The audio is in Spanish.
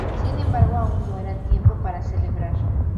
Sin embargo, aún no era tiempo para celebrar.